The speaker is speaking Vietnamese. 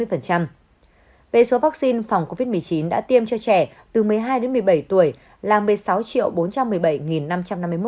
về số vaccine phòng covid một mươi chín đã tiêm cho trẻ từ một mươi hai đến một mươi bảy tuổi là một mươi sáu bốn trăm một mươi bảy năm trăm năm mươi một